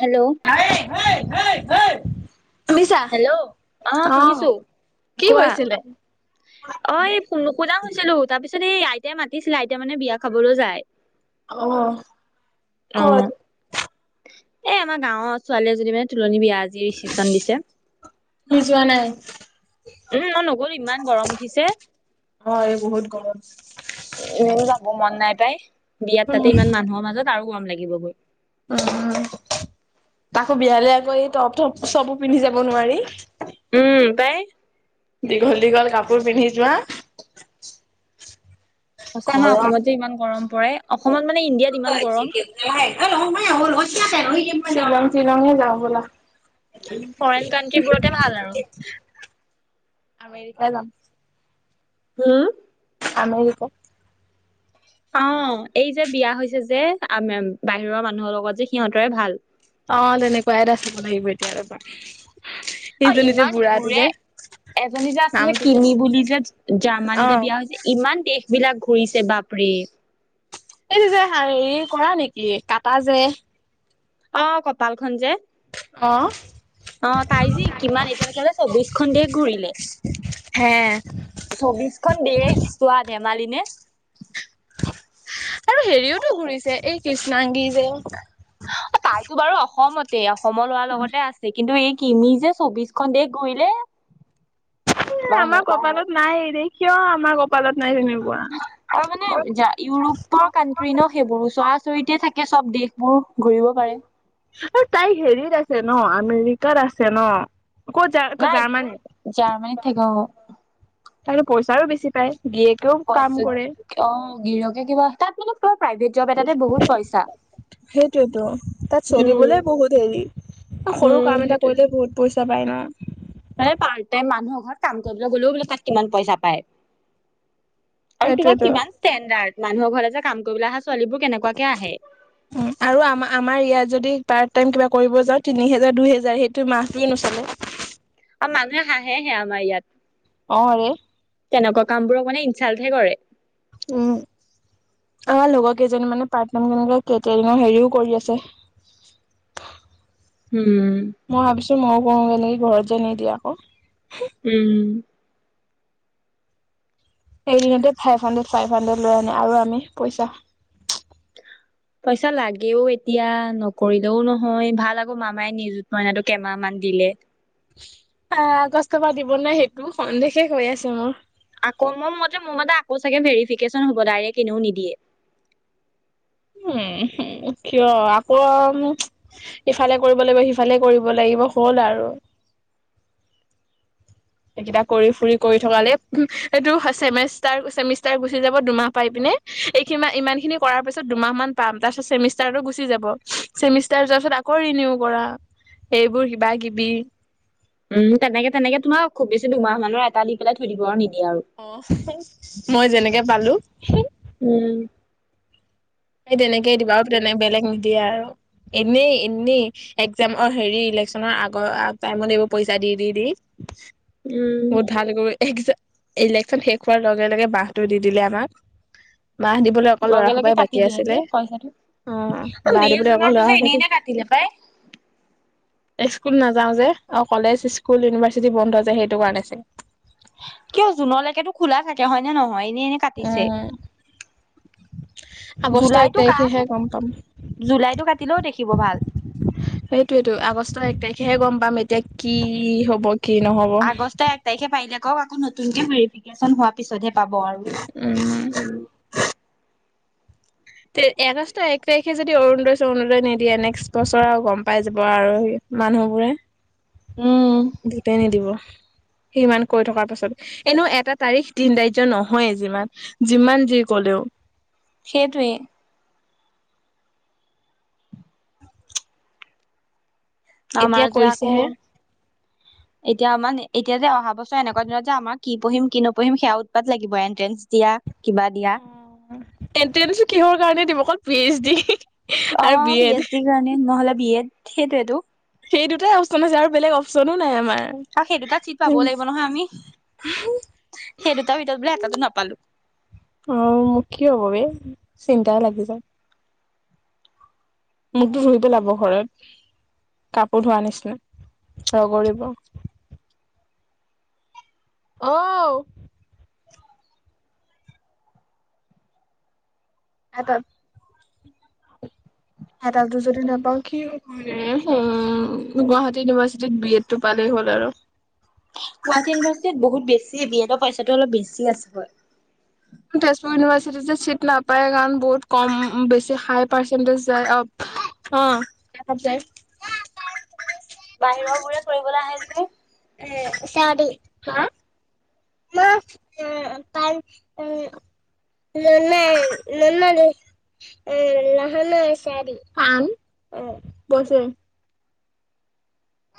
Hello. Hey hey hey শুনিছা? Hello অ। শুনিছো কি কোৱা হৈছিলে? অ এই কুল্লুকুজা হৈছিলো তাৰ পিছত এই আইতাই মাতিছিলে আইতাই মানে বিয়া খাবলৈ যায়। অ অ কত? এ আমাৰ গাঁৱৰ ছোৱালী এজনীৰ মানে তুলনি বিয়া আজি ৰিচিপচন দিছে। তুমি যোৱা নাই? উম মই নগলো ইমান গৰম উঠিছে [inaudible] অঁ, এই বহুত গৰম। এ এ যাব মন নাই তাই, বিয়াত উম, তাতে ইমান মানুহৰ মাজত আৰু গৰম লাগিব গৈ। উম, তাকো বিয়ালে আকৌ এই টপ টপ চবো পিন্ধি যাব নোৱাৰি। বাই। দীঘল দীঘল কাপোৰ পিন্ধি যোৱা সঁচা আমাৰ ঘৰত অসমত যে ইমান গৰম পৰে, অসমত মানে ইণ্ডিয়াত [unintelligible] ইমান গৰম শ্বিলং শ্বিলেং যাওঁ বলা ফৰেইন কাণ্ট্ৰিবোৰতে [unintelligible] ভাল আৰু আমেৰিকা যাম। হুম? আমেৰিকা। অ, এই যে বিয়া হৈছে যে আম বাহিৰৰ মানুহৰ লগত যে সিহঁতৰে ভাল। অ তেনেকুৱা এটা চাব লাগিব এতিয়া ৰবা। আৰু সেইজনী যে ইমান বুঢ়াটো ঘূৰে। যে এজনী যে আছে যে নামটো কি কিমি বুলি যে জাৰ্মানীনে অ', বিয়া হৈছে ইমান দেশ বিলাক ঘুৰিছে বাপৰে। এইটো যে হ হেৰি কৰা নেকি? কাটা যে অ কপাল খন যে। অ। অ তাই যি কিমান এতিয়ালৈকে চৌবিশখন দেশ ঘূৰিলে। হে চৌবিশখন দেশ চোৱা ধেমালি নে? আৰু হেৰিওতো ঘূৰিছে এই কৃষ্ণাংগী যে। তাইতো বাৰু অসমতে অসমৰ লৰা লগতে আছে। কিন্তু এই কিমি যে চৌবিশখন দেশ ঘূৰিলে। বাহে আমাৰ কপালত নাইৰে কিয় আমাৰ কপ আৰু মানে য ইউৰোপৰ কানট্ৰি ন সেইবোৰো চোৱা। চৰিতে থাকে চব দেশবোৰ ঘূৰিব পাৰে। তাই হেৰিত আছে ন? আমেৰিকাত আছে ন! ক'ত য নাই জাৰ্মানে জাৰ্মানীত থাকে অ তাৰো পইচাও বেছি পায়। গিয়েকেও কাম কৈছো কৰে। অ গিৰিয়কে কিবা তাত মানে [unintelligible] এটাতে বহুত পইচা। সেইটোয়েতো তাত উম চলিবলে বহুত হেৰি সৰু উম কাম এটা সেইটোৱে কৰিলে বহুত পইচা। যাবাই ন? মানে পাৰ্ট টাইম মানুহৰ ঘৰত কাম কৰিবলৈ গ'লেও বোলে তাত কিমান পইচা পায়। আৰু তোমাক সেইটোৱেতো। কিমান ষ্টেণ্ডাৰদ। মানুহৰ ঘৰলে যে কাম কৰিবলৈ আহা উ আৰু আমা আমাৰ ইয়াত যদি পাৰ্ট টাইম কিব কৰিব যাওঁ, তিনি হেজাৰ, দুই হেজাৰ। সেইটোৰে মাহটোৱে নচলে। আৰু মানুহে হাহেহে আমাৰ অ ৰে ইয়াত। তেনেকুৱা কামবোৰক মানে ইনচাল্টহে কৰে। [inaudible] উম আমাৰ লগৰ কেইজনী মানে পাৰ্ট [unintelligible] কেটেৰিঙৰ হেৰিও কৰি আছে। [inaudible] উম মই ভাবিছো ময়ো কৰোকে নেকি? ঘৰত যে নিদিয়ে আকৌ। উম। এদিনতে ফাইভ হান্দ্ৰেদ, ফাইভ হান্দ্ৰেড লৈ আনে আৰু আমি পইচা [inaudible] পইচা লাগেও এতিয়া। নকৰিলেও নহয়। ভাল আকৌ মামায়ে নিযুত মইনাটো কেইমাহমান দিলে। আহ কষ্ট পা দিবনে সেইটো? সন্দেহে হৈ আছে মোৰ। আকৌ ম মতে মোৰ ম আকৌ চাগে ভেৰিফিকেচন হ'ব। ডাইৰেক এনেও নিদিয়ে। উম হো। কিয় আকৌ ইফালে কৰিব লাগিব সিফালে কৰিব লাগিব হ'ল আৰু [inaudible] এইকেইটা কৰি ফুৰি কৰি থকালে এইটো চেমিষ্টাৰ চেমিষ্টাৰ গুচি যাব দুমাহ পাই পিনে। নে এই কিমান ইমান খিনি কৰাৰ পিছত দুমাহ মান পাম তাৰ পিছত চেমিষ্টাৰটো গুচি যাব চেমিষ্টাৰ যোৱা তাৰপিছত আকৌ ৰিনিউ কৰা এইবোৰ কিবা কিবি। উম তেনেকে তেনেকে তোমাৰ খুব বেছি দুমাহ মানৰ এটা দি পেলাই থৈ দিব আৰু নি অহ, মই যেনেকে পালোঁ। উম। এই তেনেকে দিবা আৰু তেনেকে বেলেগ নিদিয়ে আৰু এনেই এনেই একজামৰ হেৰি ইলেকশ্যনৰ আগৰ টাইমত এই পইচা দি দি দি উম বহুত ভাল কৈ এক ইলেক্যন শেষ হোৱাৰ লগে লগে বাহটো দি দিলে আমাক [unintelligible] বাঁহ দিবলৈ অকল লৰা লগে লগে খুপাই বাকী কাটি দিলে আছিলে যে পইচাটো অ বাঁহ মে দিবলৈ অকল জুনৰটো যে লৰা এনে এনে [unintelligible] কাটিলে পাই। স্কুল নাযাওঁ যে। অ কলেজ, স্কুল, ইউনিভাৰ্চিটি বন্ধ যে সেইটো কাৰণে চাগে। কিয় জুনলেকেটো খোলা থাকে। হয় ন নহয়? এনে এনে কাটিছে। উম আগষ্ট এক জুলাইটো কাট। তাৰিখেহে গম পাম জুলাইটো কাটিলেও দেখিব ভাল। সেইটোৱেটো আগষ্টৰ এক তাৰিখ হে গম পাম এতিয়া কি হ'ব, কি নহ'ব? আগষ্টৰ এক তাৰিখে পাৰিলে আকৌ নতুনকে ভেৰিফিকেচন হোৱাৰ পিছতহে পাব আৰু। উম। তে এগষ্ট এক তাৰিখে যদি অৰুণোদয়-চৰুণোদয় নিদিয়ে, নেক্সট বছৰ আৰু গম পাই যাব আৰু সি। মানুহবোৰে উম ভোটেই নিদিব। [unintelligible] সিমান কৈ থকাৰ পাছত এনেও এটা তাৰিখ দিন ধাৰ্য নহয়ে যিমান যিমান যি ক'লেও সেইটোৱে। এতিয়া আমাৰ যে আকৌ কৰিছেহে এতিয়া আমানে এতিয়া যে অহা বছৰ এনেকুৱা দিনত যে আমাক কি পঢ়িম কি নপঢ়িম সেয়া উৎপাত লাগিব এণ্ট্ৰেন্স দিয়া। কিবা দিয়া অহ, এন্টেচটো কিহৰ কাৰণে দিম অকল পি এছ দি হিহি অ পি এছ ডিৰ কাৰণে নহ'লে বি এট সেইটোৱেটো সেই দুটাই অপচন আছে আৰু বেলেগ অপচনো নাই আমাৰ আৰু সেই দুটা চিত পাব লাগিব নহয় আমি সেই দুটাৰ ভিতৰত বোলে এটাটো নাপালো অ মোক কি হ'ব বে চিন্তাই লাগি যায় মোকতো ধুই পেলাব ঘৰত কাপোৰ ধোৱা নিচিনা ৰগৰিব অও এটা এটাটো যদি নাপাওঁ কি গুৱাহাটী ইউনিভাৰ্চিট বি এডটো পালে হল আৰু গুৱাহাটী ইউনিভাৰ্চিটিত বহুত বেছি বি এডৰ পইচাটো অলপ বেছি আছে হয় তেজপুৰ ইউনিভাৰ্চিটি যে চিট নাপায় কাৰণ বহুত কম বেছি হাই পাৰ্চেন্টেজ যায় অ তাতে [inaudible] বাহিৰৰ বোৰে কৰিবলৈ আহে যে সিহঁতী মা পা উম [unintelligible] ননাই ননান [unintelligible] এ লাহানে চাৰী পান অ বছে [unintelligible]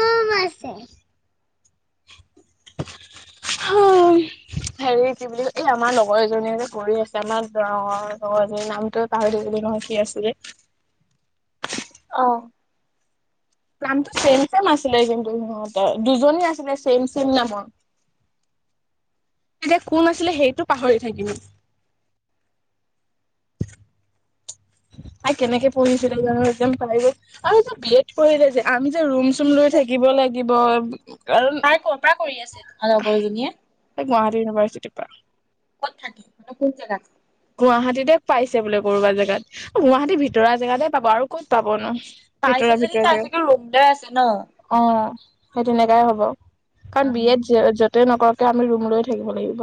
উ আছে হেৰি কি বুলি এই আমাৰ লগৰ এজনীয়ে যে কৰি আছে আমাৰ দৰঙৰ লগৰজন নামটো পাহৰি কি আছিলে অ নামটো ছেম ছেম আছিলে কিন্তু সিহঁতৰ দুজনী আছিলে ছেম ছেম নামৰ [inaudible] তেতিয়া কোন আছিলে সেইটো পাহৰি থাকিম [inaudible] তাইকেনেকে পঢ়িছেজানো একম পাইভেত আৰু তাই বিএত কৰিলে যে আমি যে ৰুম চুম লৈ থাকিব লাগে [unintelligible] থাকিব তাই কৰ' পৰা কৰি আছে তোমাৰ লগৰজনীয়ে। গুৱাহাটীৰ ইউনিভাৰ্চি পাক- থাকিকোন জেগাত গুৱাহাটীতে পাইছে বোলে ক'বা জেগাত গুৱাহাটী ভিতৰা জেগাতে পাব আৰু ক'ত পাব ন ভিতৰ পাইছে যদি ভিতৰত তাই চাগে ৰুম লৈ আছে ন। যেগাতঅ সেই তেনেকাই হব কাৰণ বিয়ত য'তেই নকৰকআমি ৰুম লৈ থাকিব লাগিব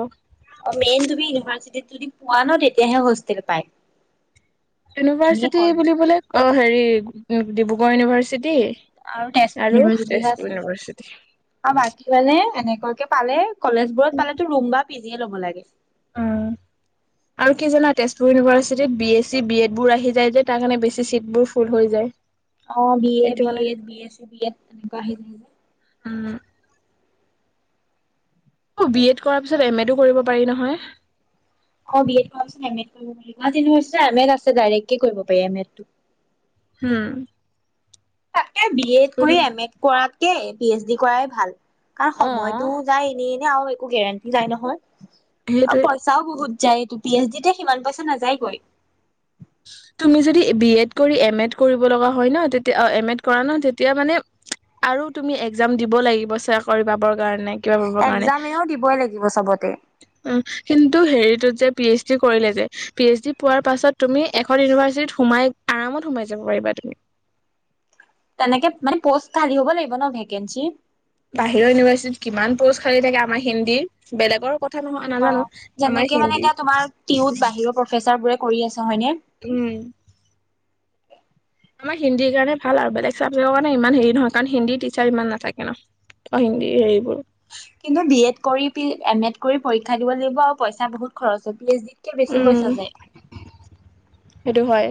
অ মেইন তুমি ইউনিভাৰ্চিটিত যদি পোৱা ন তেতিয়াহে হোষ্টেল পায় এনেই ক ইউনিভাৰ্চিটি বুলিবলে অ হেৰি ডিব্ৰুগড় ইউনিভাৰ্চিটি [unintelligible] আৰু তেজপুৰ ইউনিভাৰ্চিটিহে তেজপুৰ আছে ইউনিভাৰ্চিটি আৰু বাকী মানে অনে কলেজ বোৰত পালো ৰুম বা পিজি ল'ব লাগে উম আৰু কি জানা তেজপুৰ ইউনিভাৰ্চিটিত B S C B Ed বোৰ আহি যায় যে তাৰ কাৰণে বেছি চিট বোৰ ফুল হৈ যায় অ সেইটো মানে বিএচছিবিএড বিএছি বিএড তেনেকুৱা আহি থাকিব উম অ বি এড কৰাৰ পিছত এম এটো কৰিব পাৰি নহয় অ বি এড এ এমেত কৰিব পাৰি এমেততো দাইৰেক কৰিব পাৰি এমেত তো হু [unintelligible] তাকে বি এড কৰি এম এড কৰাতকে পি এইচ ডি কৰাই ভাল কাৰণ অ সময়তটো যায় এনেই এনে আৰু একো গেৰেণ্টি যাই নহয় আৰু সেইটোৱে পইচাও বহুত যায় তটো পি এইচ ডিতে সিমান পইচা নাযায়গৈ তুমি যদি বি এড কৰি এম এড কৰিব লগা হয় ন তেতিয়া এম এড কৰা ন তেতিয়া মানে আৰু তুমি এক্জাম দিব লাগিব চেয়াৰ কৰিবা বাৰ নাই কিবা পাবৰ কাৰণে একজাম এনেও দিবই লাগিব চবতে কিন্তু হেৰিতোযে- পি এইচ ডি কৰিলে যে পি এইচ ডি পোৱাৰ পাছত তুমি এখন ইউনিভাৰ্চিটিত- সোমাই আৰামত সোমাই যাব পাৰিবা তুমি- তেনেকে মানে পষ্ট খালি হ'ব লাগিব। ন ভেকেঞ্চি বাহিৰৰ ইউনিভাৰ্চিটিত কিমান প'ষ্ট খালি থাকে আমাৰ হিন্দী বেলেগৰ ক কথা নহয় অ নাজানো আমাৰ যেনেকে মানে হিন্দী- এতিয়া তোমাৰ টিউত বাহিৰৰ প্ৰফেচাৰ বোৰে কৰি আছে হয়নে? উম আমাৰ হিন্দীৰ কাৰণে ভাল আৰু বেলেগ চাবজেক্টৰ কাৰণে ইমান হেৰি নহয় কাৰণ হিন্দী টিচাৰ ইমান নাথাকে। ন অ হিন্দী হেৰিবোৰ কিন্তু বি এড কৰি এম এড কৰি পৰীক্ষা দিব লাগিব আৰু পইচা বহুত খৰচ হয় পি এইচ ডি কে বেছি পইচা যায়। এইতো হয়।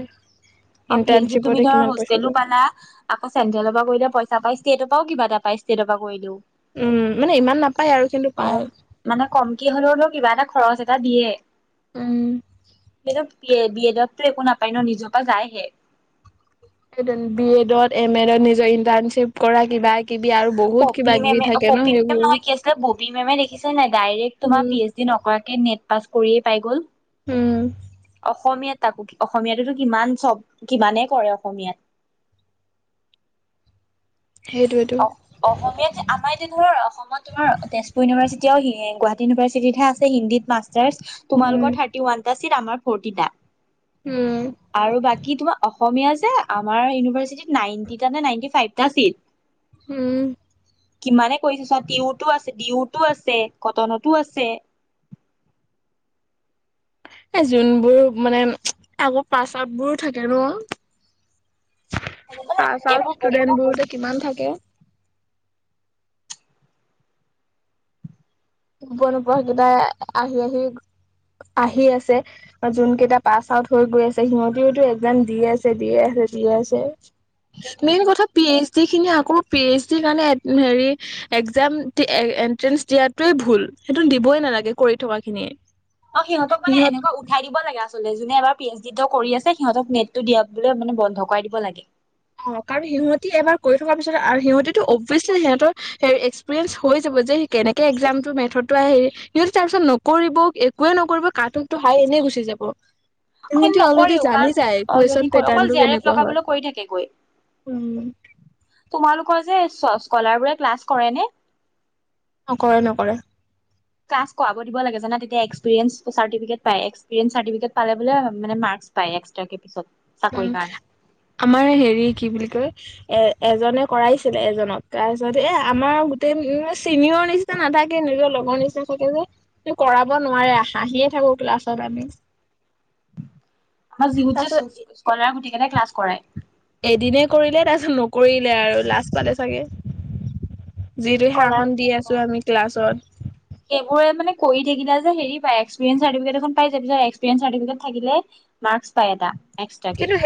অ পি এইচ ড তুমি ইণ্টাৰ্ণশ্বিপতে ধৰা কিমান পইচা হোষ্টেলো যায় পালা আকৌ চেন্টেলৰপৰা কৰিলে প ইছা তাৰই ষ্টেটৰ পৰাও কিবা তাৰ পৰাই ষ্টেটৰ পৰা কৰিলও উম মানে ইমান নাপায় আৰু কিন্তু অ পায় মানে কম কি হলে অলপ কিবা এটা খৰচ এটা দিয়ে। উম কিন্তু বি এডতো একো নাপায় ন নিজৰ পৰা যায়হে। বি এডত এম এডত নিজৰ ইন্টাৰ্নশ্বিপ কৰা কিবা। কিবি আৰু বহুত পপি কিবা কিবি মেমে থাকে ন পপি মেম সেইবোৰ নহয় কি আছিলে ববী মেমে দেখিছে নাই ডাইৰেক্ট তোমাৰ উম পি এইচ ডি নকৰাক এনেট পাছ কৰিয়ে পাই গ'ল। উম অসমীয়াত তাকো অসমীয়াাততো কিমান চব কিমানে কৰে অসমীয়াত- [inaudible] সেইটোৱেতো অ অসমীয়াত যে আমাৰ এতিয়া ধৰ অসমত তোমাৰ তেজপুৰ ইউনিভাৰ্চিটি- এতিয়া গুৱাহাটী ইউনিভাৰ্চিটিতহে আছে হিন্দত মাষ্টাৰ্চ তোমালোকৰ উম থাৰতিউন। আমাৰ ফৰটিতা উম আৰু বাকী তোমাৰ অ অসমীয়া যে আমাৰ ইউনিভাৰ্চিটিত নাইটিতানে নাইনটি ফাইভটা চিট। উম। কিমানে কৰিছো চা, টিউতো আছে ডিউতো আছে কটনতো আছে। [inaudible] এ, যোনবোৰ মানে আকৌ পাচ আপবোৰো থাকে ন। মানে এইবোৰ বহুত ষ্টুডেন্ট বোৰতে কিমান থাকে। আহি আহি। আহি আছে, যোন কেইটা পাছ আউট হৈ গৈ আছে সিহঁতেওতো একজাম দিে আছে দিয়ে। মেইন সেইটোৱেটো কথা পি এইচ। যিখিনি আকৌ পি এইচ ডিৰ কাৰণে হেৰি এক্জাম দি এনট্ৰেঞ্চ দিয়াত। তোয়ে ভুল, সেইটো দিবই নালাগে কৰি থকা খিনিয়ে। অ, সিহতক মানে সিহঁত এনেুৱা উঠাই দিব লাগে আ। জোনে এবাৰ পি এইচ ড কৰি আছে। সিহঁতক নেটটো দিয়লৈ মানে বন্ধ কৰাই দিব লাগে। অ' কাৰণ সিহঁতি এবাৰ কৰি থকাৰ পিছত আৰু সিহঁতিটো অবভিয়াচলি সিহঁতৰ এক্পিৰিয়েঞ্চ হৈ যাব। যে, কেনেকে এক্জামটো মেথডো হেৰি সিহ তাৰ পিছত নকৰিব একোৱে নকৰিব কানতটো হাই গুচি যাব, কিন্তু সিহঁতি অলৰেড নকৰেও কাৰণ জানি যায় অলৰেডি কুৱেশন অকল জে পেটাৰ্টো আৰ এফ কেনেকুৱা হয়। লগাবলৈ কৰি থাকে গৈ উম। তোমালোকৰ স্কলাৰ বোৰে ক্লাছ কৰে ন? নকৰে নকৰে। লছ কৰািব লাগে জানে। পাই এক্সট্ৰাক কে পিছত। উম, চাকৰি কাৰণে আমাৰ হেৰি কি বুলি কয়। এ, এজনে কৰাইছিলে এজনক তাৰপিছত এ আমাৰ গোটেই উ চিনিয়ৰ নিচিনা নথাক। থাকে নিজৰ লগৰ নিচিনা থাকে যে, কৰাব নোৱাৰে হাঁহিয়ে থাকো ক্লাছত আমি। আমাৰ যিহুত যে তাৰপিছত স্কলাৰ গুটেইিকেইনে ক্লাছ কৰা। এদিনে কৰিলে তাৰপিছত নকৰিলে আৰু লাজ পালে চাগে। যিটোহে স্কলাৰ শাসন দি আছো আমি ক্লাছত। সেইবোৰে আচলতে কৰি থাকিলে যে হেৰি পায়, এক্সপিৰিয়েঞ্চ চাৰ্টিফিকেট এ পাই যে এক্সপিৰিয়েঞ্চ চাৰ্টিফিকেট এখন থাকিলে মাৰ্ক্স পাই এটা। এক্সট্ৰাকে কিন্তু,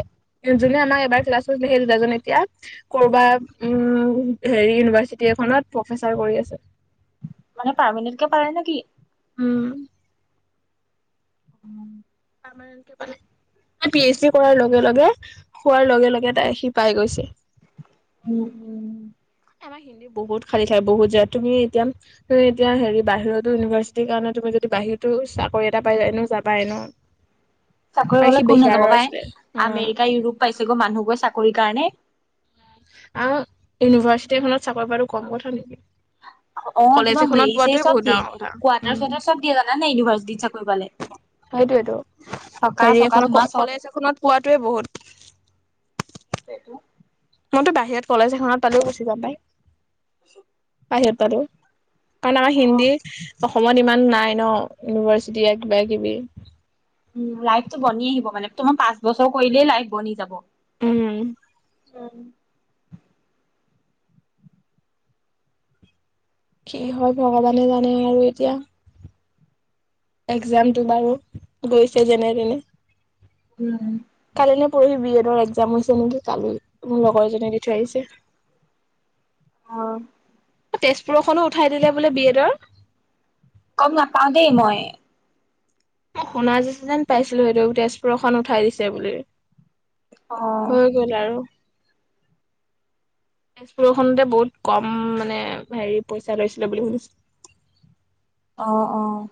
সেই যোনে আমাৰ এবাৰ চা চলছিলে সেই দুজনী এতিয়া কৰবাত উম হেৰি ইউনিভাৰ্চিটি এখনত প্ৰফেচাৰ কৰি আছে। মানে পাৰ্মিনেতকে পাৰে নে কি? উম। উম। মক ব [unintelligible] পি এইচ ডি কৰাৰ লগে লগে হোৱাৰ লগে লগে তাই সি পাই গৈছে উম উম। বহুত খালি ঠাই বহুত যায়, তুমি এতিয়া তুমি এতিয়া হেৰি বাহিৰতো ইউনিভাৰ্চিটিৰ কাৰণে তুমি বাহিৰতো চাকৰি এটা পাই এনেও যাবাই ন। চাকৰি আৰু কলে সি কোন নাযাব বিহাৰৰ ভাই আছিলে উম আমেৰিকা ইউৰোপ পাইছেগৈ মানুহবোৰে চাকৰি কাৰণে। আৰু ইউনিভাৰ্চিটি এখনত চাকৰি পোৱাটো কম কথা নেকি। অ' কলেজ তোমাৰ এখনত হেই ছেই পোৱাটোৱে বহুত চব দিয়ে ডাঙৰ কথা। কোৱাৰটাৰ উম, চোৱাৰটাৰ চব দিয়ে জান নে ইউনিভাৰ্চিটিত চা টো পালে। সেইটোৱেতো থকা হেৰি চকা এখন তোমাৰ চব কলেজ এখনত পোৱাতোৱে বহুত। সেইটাই তো। মইতো বাহিৰত কলেজ এখনত পালেও গুচি যাম পাই। [unintelligible] বাহিৰত পালো কাৰণ আমাৰ অ হিন্দী অসমত ইমান নাই ন, ইউনিভাৰ্চিটি কিবা কিবি। উম, লাইফটো বনি আহিব মানে। তোমাৰ পাঁচ বছৰ কৰিলেই লাইফ বনি যাব। উম! উম! কি হয়, ভগৱানে জানে আৰু এতিয়া। একজামতটো বাৰু গৈছে যেনে তেনে। উম! কালি নে পৰহি বি এডৰ একজাম হৈছে নেকি কালি মোৰ লগৰ এজনীয়ে দি থৈ আহিছে। অ'! তেজপুৰখনো উঠাই দিলে বোলে, বি এডৰ। গম নাপাওঁ দেই মই। মই শুনা যেন পাইছিলো সেইটো, তেজপুৰখন উঠাই দিছে বুলি। অ হৈ গ'ল আৰু। [inaudible] তেজপুৰখনতে বহুত কম মানে, হেৰি পইচা লৈছিলে বুলি শুনিছো। অ'! অ'!